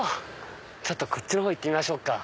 ちょっとこっちのほう行ってみましょうか。